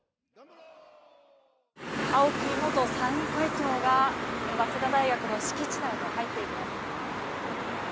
青木元参院会長が早稲田大学の敷地内に入っていきます。